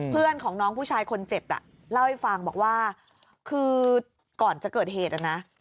เพื่อนของน้องผู้ชายคนเจ็บอ่ะเล่าให้ฟังบอกว่าคือก่อนจะเกิดเหตุนะ